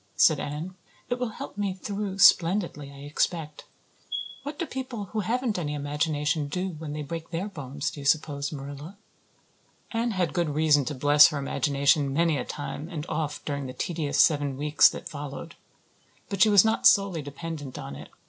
said Anne. "It will help me through splendidly, I expect. What do people who haven't any imagination do when they break their bones, do you suppose, Marilla?" Anne had good reason to bless her imagination many a time and oft during the tedious seven weeks that followed. But she was not solely dependent on it.